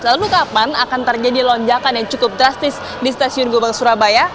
lalu kapan akan terjadi lonjakan yang cukup drastis di stasiun gubeng surabaya